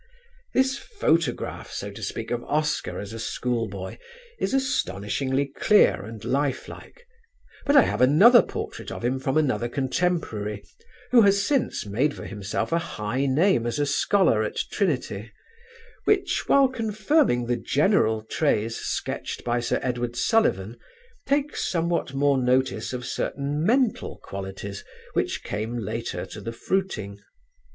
This photograph, so to speak, of Oscar as a schoolboy is astonishingly clear and lifelike; but I have another portrait of him from another contemporary, who has since made for himself a high name as a scholar at Trinity, which, while confirming the general traits sketched by Sir Edward Sullivan, takes somewhat more notice of certain mental qualities which came later to the fruiting.